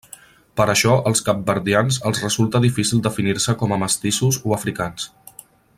Per això als capverdians els resulta difícil definir-se com a mestissos o africans.